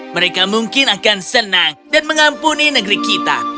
mereka mungkin akan senang dan mengampuni negeri kita